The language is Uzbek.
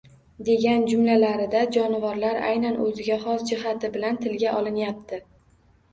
Degan jumlalarida jonivorlar aynan o`ziga xos jihati bilan tilga olinyapti